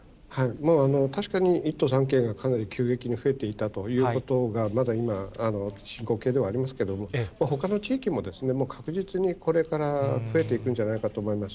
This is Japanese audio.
確かに１都３県がかなり急激に増えていたということがまだ今、進行形ではありますけれども、ほかの地域ももう確実にこれから増えていくんじゃないかと思います。